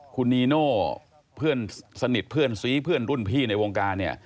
คุณนีโน่เพื่อนสนิทเพื่อนซีเพื่อนรุ่นพี่ในวงการเนี่ย